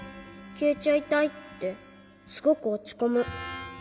きえちゃいたい」ってすごくおちこむ。